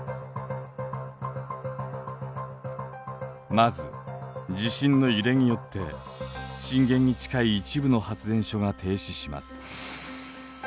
まず地震の揺れによって震源に近い一部の発電所が停止します。